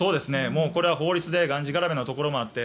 もうこれは法律でがんじがらめなところもあって